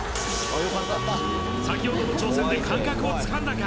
先ほどの挑戦で感覚をつかんだか？